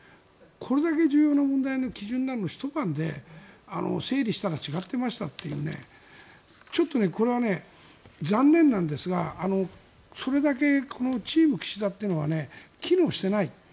これだけ重要な問題の基準になるのを、ひと晩で整理したら違っていましたっていうちょっとこれは残念なんですがそれだけチーム岸田というのが機能していない。